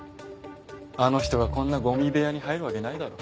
あの人がこんなゴミ部屋に入るわけないだろう。